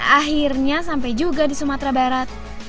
akhirnya sampai juga di sumatera barat